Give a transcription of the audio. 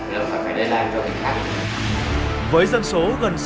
là phải đề lan cho người khác